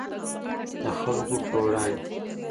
د خلکو په وړاندې.